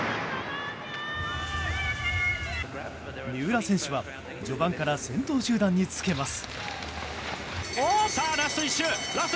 三浦選手は序盤から先頭集団につけます。